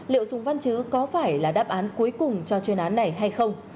liệu sùng văn chứ có phải là đáp án cuối cùng cho chuyên án này hay không